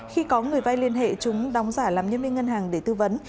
khi có người vay liên hệ chúng đóng giả làm nhân viên ngân hàng để tư vấn